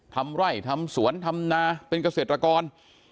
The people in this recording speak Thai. ทำไร่ทำสวนทำนาเป็นเกษตรกร